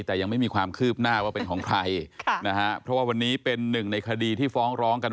แต่ยังไม่มีความคืบหน้าว่าเป็นของใครค่ะนะฮะเพราะว่าวันนี้เป็นหนึ่งในคดีที่ฟ้องร้องกัน